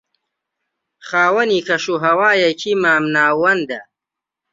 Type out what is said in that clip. خاوەنی کەش و ھەوایەکی مام ناوەندە